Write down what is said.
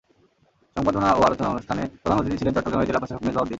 সংবর্ধনা ও আলোচনা অনুষ্ঠানে প্রধান অতিথি ছিলেন চট্টগ্রামের জেলা প্রশাসক মেজবাহ উদ্দিন।